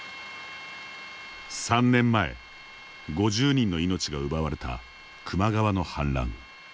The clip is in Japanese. ３年前、５０人の命が奪われた球磨川の氾濫。